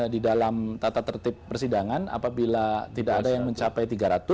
di dalam tata tertib persidangan apabila tidak ada yang mencapai tiga ratus